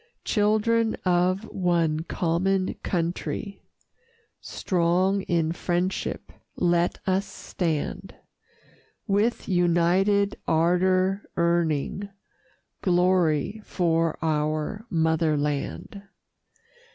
Children of one common country, Strong in friendship let us stand, With united ardor earning Glory for our Mother Land.